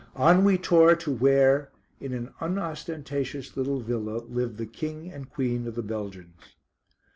On we tore to where, in an unostentatious little villa, lived the King and Queen of the Belgians.